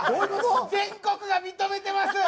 全国が認めてます。